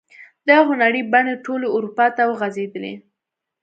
دا هنري بڼې ټولې اروپا ته وغزیدلې.